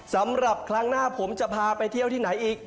สำหรับครั้งหน้าผมจะพาไปเที่ยวที่ไหนอีก